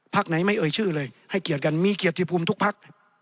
ไหนไม่เอ่ยชื่อเลยให้เกียรติกันมีเกียรติภูมิทุกพัก